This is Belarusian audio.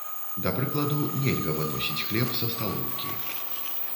Да прыкладу, нельга выносіць хлеб са сталоўкі.